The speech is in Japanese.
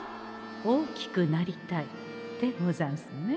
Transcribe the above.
「大きくなりたい」でござんすね。